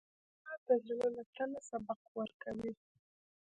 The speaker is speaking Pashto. استاد د زړه له تله سبق ورکوي.